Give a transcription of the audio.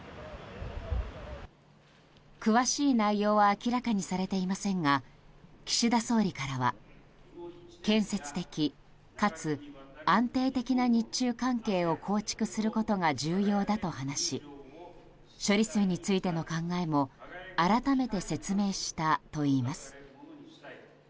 詳しい内容は明らかにされていませんが岸田総理からは建設的かつ安定的な日中関係を構築することが重要だと話し処理水についての考えも改めて説明したといいます。